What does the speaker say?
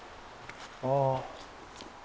ああ。